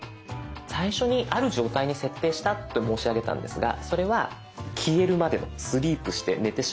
最初にある状態に設定したって申し上げたんですがそれは消えるまでのスリープして寝てしまうまでの時間。